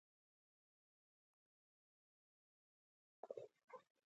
نیکه د خپلو ماشومانو لپاره یوه قوي دښمن دی چې هیڅکله یې نه پرېږدي.